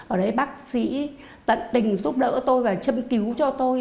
ở đấy bác sĩ tận tình giúp đỡ tôi và châm cứu cho tôi